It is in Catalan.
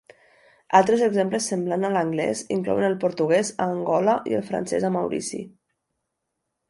Altres exemples semblant a l'anglès inclouen el portuguès a Angola i el francès a Maurici.